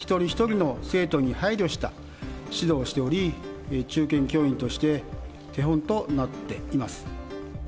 担任としても、個を大切に、一人一人の生徒に配慮した指導をしており、中堅教員として手本となっています。